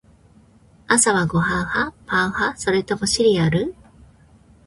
朝はご飯派？パン派？それともシリアル？